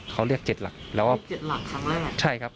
เขาเรียก๗หลัก